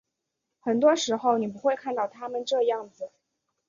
很多时候你不会看到他们像这样。